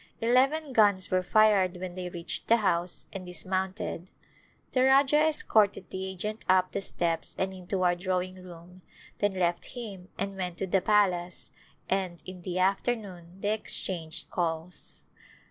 Eleven guns were fired when they reached the house and dis mounted. The Rajah escorted the agent up the steps and into our drawing room, then left him and went to the palace and in the afternoon they exchanged calls.